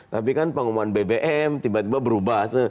tapi kan pengumuman bbm tiba tiba berubah